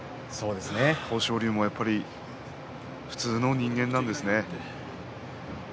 豊昇龍も、やっぱり普通の人間なんですね。